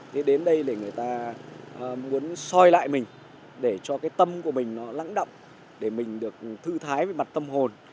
thế đến đây để người ta muốn soi lại mình để cho cái tâm của mình nó lắng động để mình được thư thái về mặt tâm hồn